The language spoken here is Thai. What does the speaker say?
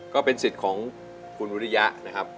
ก็เป็นสิทธิ์ของคุณวิริยะนะครับ